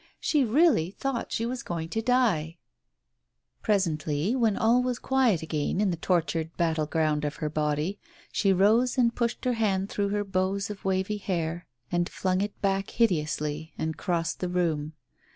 ... She really thought she was going to die !... Presently, when all was quiet again in the tortured battleground of her body, she rose and pushed her hand through her bows of waved hair and flung it back hide ously and crossed the room.